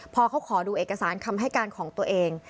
พอเขาขอดูเอกสารคำให้การของตัวเอง